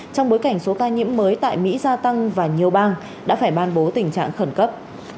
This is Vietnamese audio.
trong bối cảnh số ca nhiễm mới tại mỹ gia tăng và nhiều bang đã phải ban bố tình trạng khẩn cấp